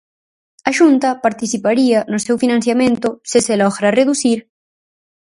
A Xunta participaría no seu financiamento se se logra reducir.